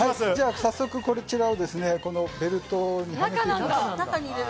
早速こちらをベルトにはめていきます。